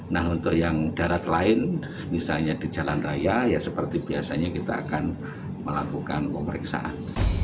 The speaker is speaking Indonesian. nah untuk yang darat lain misalnya di jalan raya ya seperti biasanya kita akan melakukan pemeriksaan